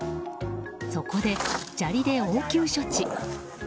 そこで砂利で応急処置。